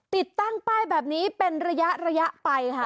ติดตั้งไปนี้เป็นระยะเป็นระยะไปค่ะ